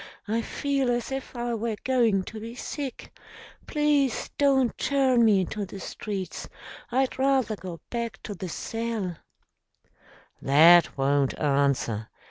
"I feel as if I were going to be sick. Please don't turn me into the streets. I'd rather go back to the cell " "That won't answer.